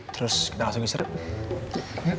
terus kita langsung istirahat